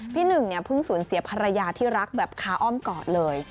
พี่หนึ่งเนี่ยเพิ่งสูญเสียภรรยาที่รักแบบคาอ้อมกอดเลย